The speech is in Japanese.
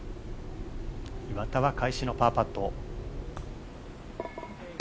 岩田は返しのパーパット。